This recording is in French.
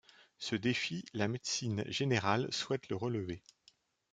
Ce défi, la médecine générale souhaite le relever.